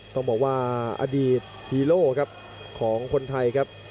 ต้องบอกว่าอดีตฮีโร่ครับของคนไทยครับ